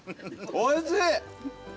おいしい。